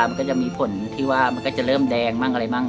มันก็จะมีผลที่ว่ามันจะเริ่มแดงม่าง